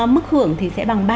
mức hưởng thì sẽ bằng ba mươi